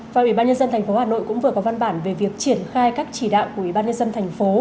và ủy ban nhân dân tp hà nội cũng vừa có văn bản về việc triển khai các chỉ đạo của ủy ban nhân dân thành phố